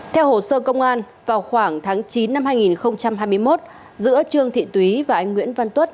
theo hồ sơ công an vào khoảng tháng chín năm hai nghìn hai mươi một giữa trương thị túy và anh nguyễn văn tuất